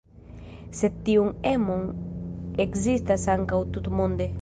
Sed tiun emon ekzistas ankaŭ tutmonde.